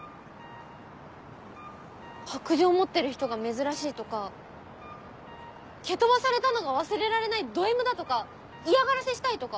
白杖持ってる人が珍しいとか蹴飛ばされたのが忘れられないドＭだとか嫌がらせしたいとか。